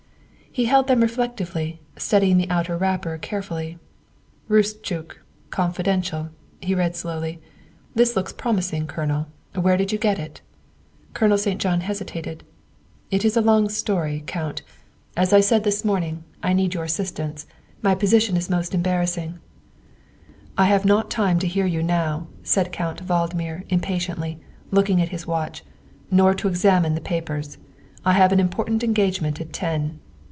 He held them reflectively, studying the outer wrapper carefully. " Roostchook. Confidential," he read slowly. " This looks promising, Colonel. Where did you get it?" Colonel St. John hesitated. " It is a long story, Count. As I said this morning, THE SECRETARY OF STATE 233 I need your assistance. My position is most embar rassing. '''' I have not time to hear you now, '' said Count Vald mir impatiently, looking at his watch, " nor to ex amine the papers. I have an important engagement at ten.